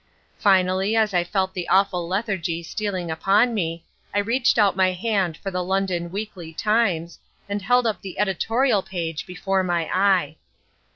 Finally, as I felt the awful lethargy stealing upon me, I reached out my hand for the London Weekly Times, and held up the editorial page before my eye.